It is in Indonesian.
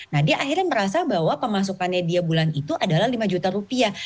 nah dia akhirnya merasa bahwa pemasukannya dia bulan itu adalah lima juta rupiah